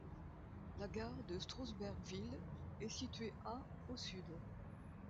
La gare de Strausberg-Ville est situé a au sud.